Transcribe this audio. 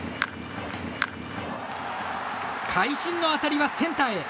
会心の当たりはセンターへ！